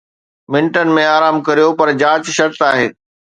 منٽن ۾ آرام ڪريو، پر جاچ شرط آهي.